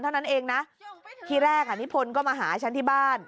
เท่านั้นเองนะที่แรกนิพนธ์ก็มาหาฉันที่บ้าน